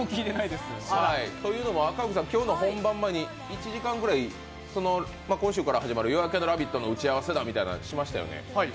というのも赤荻さん、今日の本番前に１時間ぐらい、今週から始まる「夜明けのラヴィット！」の打ち合わせだみたいなのをしましたよね？